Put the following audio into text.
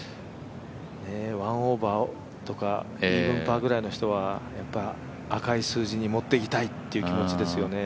１オーバーとか、イーブンパーぐらいの人は、赤い数字に持っていきたいという気持ちですよね。